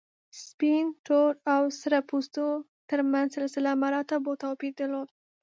سپین، تور او سره پوستو تر منځ سلسله مراتبو توپیر درلود.